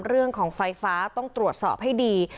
เรื่องของไฟฟ้าต้องตรวจสอบให้ดี